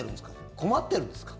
困ってるんですか？